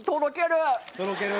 とろける？